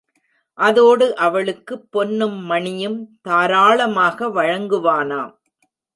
அதோடு அவளுக்கு பொன்னும் மணியும் தாராளமாக வழங்குவானாம்.